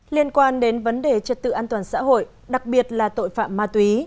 liên quan đến vấn đề trật tự an toàn xã hội đặc biệt là tội phạm ma túy